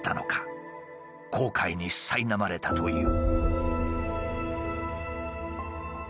後悔にさいなまれたという。